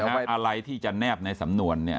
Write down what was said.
เอาไปเปิดอะไรที่จะแนบในสำนวนเนี่ย